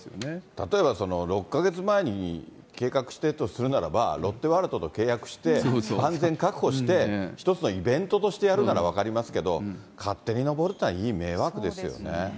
例えば６か月前に計画していたとするならば、ロッテワールドと契約して、安全確保して、一つのイベントとしてやるなら分かりますけど、勝手に登るっていうのはいい迷惑ですよね。